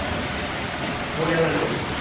盛り上がりましたよ。